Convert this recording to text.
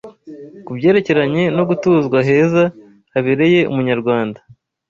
ku byerekeranye no gutuzwa heza habereye Umunyarwanda"